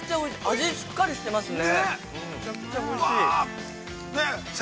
味がしっかりしていますね。